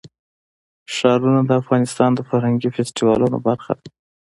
ښارونه د افغانستان د فرهنګي فستیوالونو برخه ده.